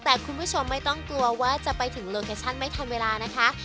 แต่คุณผู้ชมไม่ต้องกลัวว่าจะไปถึงโลเคชั่นไม่ทันเวลานะคะ